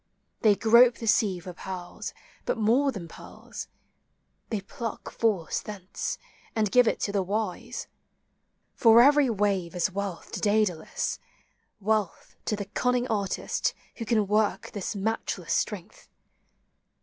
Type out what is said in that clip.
They grope the sea for pearls, but more than pearls : They pluck Force thence, and give it to the wise. For every wave is wealth to Daedalus, Wealth to the cunning artist who can work This matchless strength.